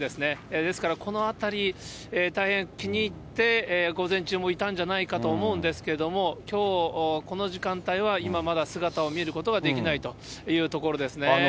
ですからこの辺り、大変気に入って、午前中もいたんじゃないかと思うんですけれども、きょう、この時間帯は、今まだ姿を見ることはできないというところですね。